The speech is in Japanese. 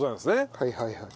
はいはいはい。